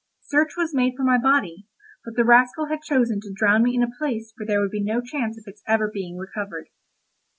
Search was made for my body, but the rascal had chosen to drown me in a place where there would be no chance of its ever being recovered.